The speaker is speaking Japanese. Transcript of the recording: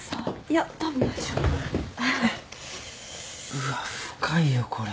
うわ深いよこれ。